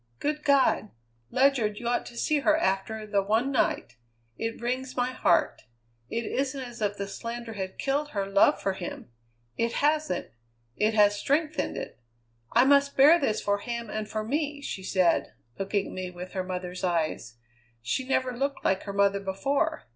Good God! Ledyard, you ought to see her after the one night! It wrings my heart. It isn't as if the slander had killed her love for him. It hasn't; it has strengthened it. 'I must bear this for him and for me,' she said, looking at me with her mother's eyes. She never looked like her mother before.